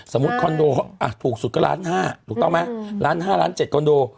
สมมุติคอนโดอ่ะถูกสุดก็ล้านห้าถูกต้องไหมล้านห้าล้านเจ็ดคอนโด